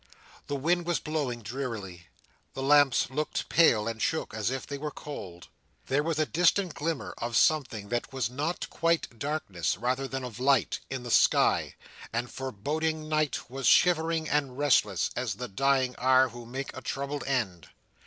The wind was blowing drearily. The lamps looked pale, and shook as if they were cold. There was a distant glimmer of something that was not quite darkness, rather than of light, in the sky; and foreboding night was shivering and restless, as the dying are who make a troubled end.